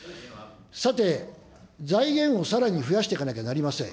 さて、財源をさらに増やしていかなければなりません。